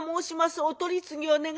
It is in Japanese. お取り次ぎを願います。